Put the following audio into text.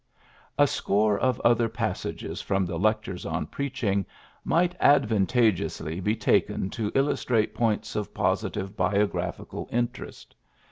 '' A score of other passages from the Lectures on Preaching might advan tageously be taken to illustrate points of positive biographical interest.